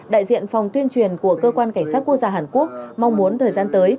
đại diện phòng tuyên truyền của cơ quan cảnh sát quốc gia hàn quốc mong muốn thời gian tới